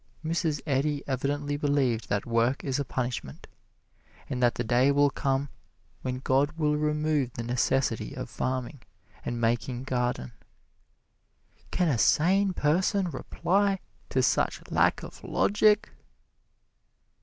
Mrs. Eddy evidently believed that work is a punishment, and that the day will come when God will remove the necessity of farming and making garden. Can a sane person reply to such lack of logic?